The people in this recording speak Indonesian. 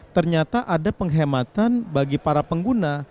ternyata ada penghematan bagi para pengguna